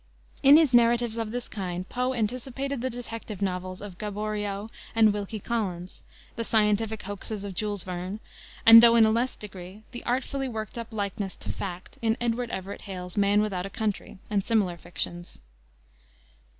In his narratives of this kind Poe anticipated the detective novels of Gaboriau and Wilkie Collins, the scientific hoaxes of Jules Verne, and, though in a less degree, the artfully worked up likeness to fact in Edward Everett Hale's Man Without a Country, and similar fictions.